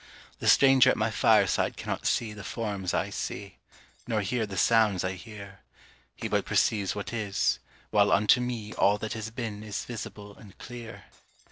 The stranger at my fireside cannot see The forms I see, nor hear the sounds I hear; He but perceives what is; while unto me All that has been is visible and clear.